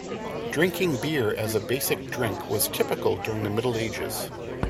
Drinking beer as a basic drink was typical during the Middle Ages.